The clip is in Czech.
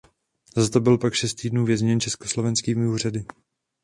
Za to byl pak po šest týdnů vězněn československými úřady.